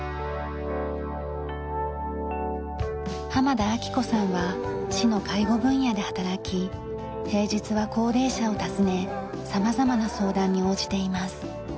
田晃子さんは市の介護分野で働き平日は高齢者を訪ね様々な相談に応じています。